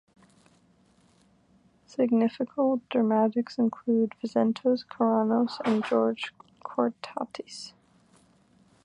Significal dramatists include Vitsentzos Kornaros and Georgios Chortatzis.